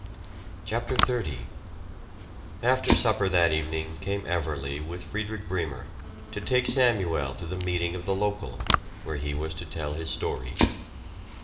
CHAPTER XXX After supper that evening came Everley with Friederich Bremer, to take Samuel to the meeting of the local, where he was to tell his story.